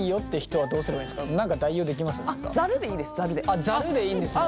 あっざるでいいんですね。